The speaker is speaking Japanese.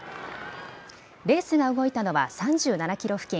レースが動いたのは３７キロ付近。